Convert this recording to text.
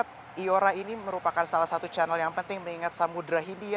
supaya asosiasi ini dapat memberikan keuntungan kepada negara negara yang berada di pesisir samudera india